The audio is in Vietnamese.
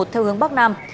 theo hướng bắc nam